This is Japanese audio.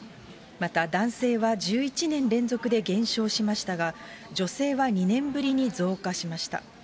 また、男性は１１年連続で減少しましたが、女性は２年ぶりに増加しました。